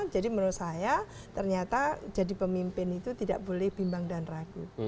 jadi menurut saya ternyata jadi pemimpin itu tidak boleh bimbang dan ragu